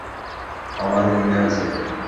আমার মনে আছে!